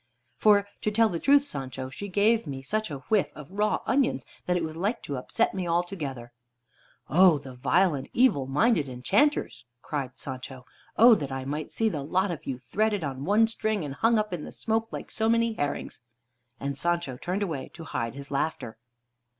For, to tell the truth, Sancho, she gave me such a whiff of raw onions that it was like to upset me altogether." "O the vile and evil minded enchanters!" cried Sancho. "Oh that I might see the lot of you threaded on one string, and hung up in the smoke like so many herrings." And Sancho turned away to hide his laughter.